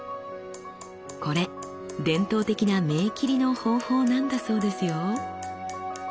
これ伝統的な銘切りの方法なんだそうですよ。